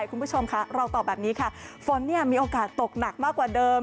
คุณผู้ชมค่ะเราตอบแบบนี้ค่ะฝนเนี่ยมีโอกาสตกหนักมากกว่าเดิม